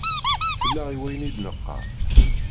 Sel-aɣ i wayen i d-neqqaṛ!